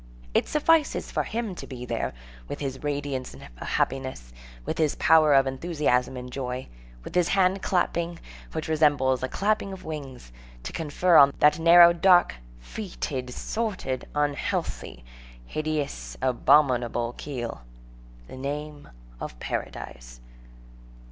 It suffices for him to be there, with his radiance of happiness, with his power of enthusiasm and joy, with his hand clapping, which resembles a clapping of wings, to confer on that narrow, dark, fetid, sordid, unhealthy, hideous, abominable keel, the name of Paradise.